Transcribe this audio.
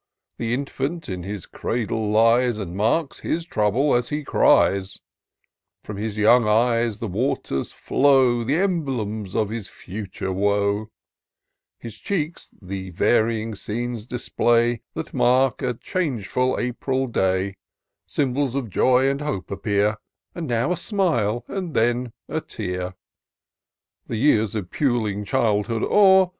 I 1 24« TOUR OF DOCTOR SYNTAX The infant in his cradle lies, And marks his trouble as he cries ; From his young eyes the waters flow, The emblems of his future woe : His cheeks the varying scenes display, That mark a changeful April day : Symbols of joy and hope appear, And now a smile, and then a tear. The years of puling childhood o'er.